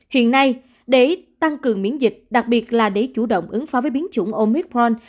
hiện nay để tăng cường miễn dịch đặc biệt là để chủ động ứng phó với biến chủng omithon